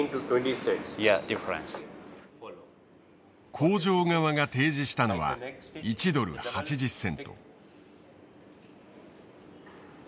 工場側が提示したのは１ドル８０セント。